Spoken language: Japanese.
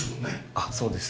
あっそうです。